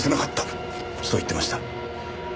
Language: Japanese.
そう言ってました。